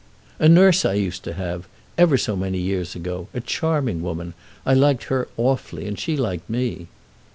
"A nurse I used to have—ever so many years ago. A charming woman. I liked her awfully, and she liked me."